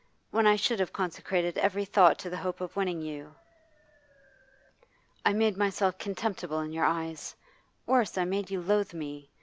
When I should have consecrated every thought to the hope of winning you, I made myself contemptible in your eyes worse, I made you loathe me.